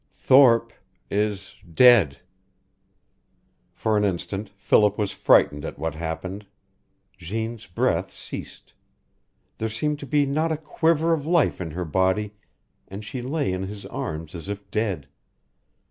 Thorpe is dead." For an instant Philip was frightened at what happened. Jeanne's breath ceased. There seemed to be not a quiver of life in her body, and she lay in his arms as if dead.